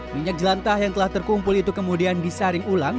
minyak jelantah yang telah terkumpul itu kemudian disaring ulang